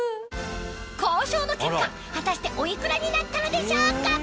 交渉の結果果たしてお幾らになったのでしょうか？